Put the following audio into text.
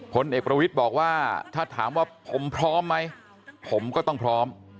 ผลเอกประวิทย์บอกว่าถ้าถามว่าผมพร้อมไหมผมก็ต้องพร้อม